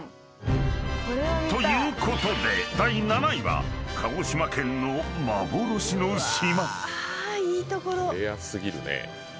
［ということで第７位は鹿児島県の幻の島］